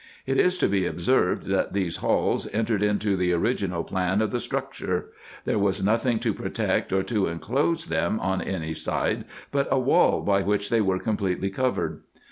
It is to be observed, that these halls entered into the original plan of the structure : there was nothing to protect or to enclose them on any side but a wall, by which they were completely covered.